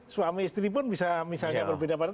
suami istri pun bisa misalnya berbeda pada